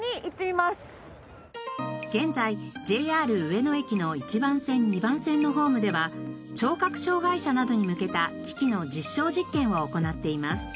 現在ＪＲ上野駅の１番線２番線のホームでは聴覚障がい者などに向けた機器の実証実験を行っています。